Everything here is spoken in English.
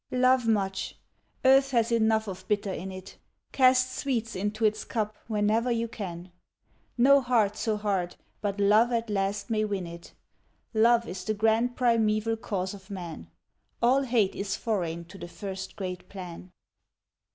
Love much. Earth has enough of bitter in it. Cast sweets into its cup whene'er you can. No heart so hard, but love at last may win it. Love is the grand primeval cause of man. All hate is foreign to the first great plan.